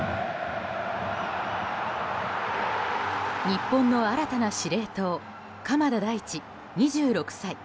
日本の新たな司令塔鎌田大地、２６歳。